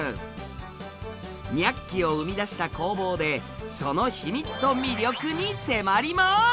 「ニャッキ！」を生み出した工房でその秘密と魅力に迫ります！